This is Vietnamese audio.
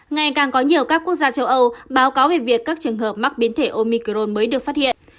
ngày càng có nhiều các quốc gia châu âu báo cáo về việc các trường hợp mắc biến thể omicrone mới được phát hiện